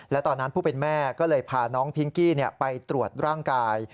และตอนนั้นผู้เป็นแม่ก็เลยพาน้องพิงกี้ไปตรวจร่างกาย